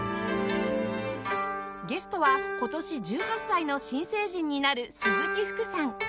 ゲストは今年１８歳の新成人になる鈴木福さん